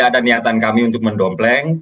ada niatan kami untuk mendompleng